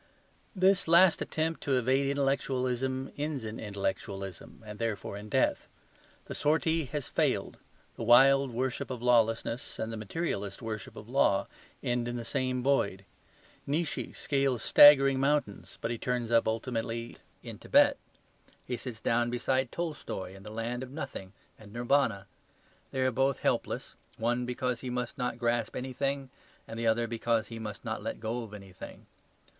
This last attempt to evade intellectualism ends in intellectualism, and therefore in death. The sortie has failed. The wild worship of lawlessness and the materialist worship of law end in the same void. Nietzsche scales staggering mountains, but he turns up ultimately in Tibet. He sits down beside Tolstoy in the land of nothing and Nirvana. They are both helpless one because he must not grasp anything, and the other because he must not let go of anything.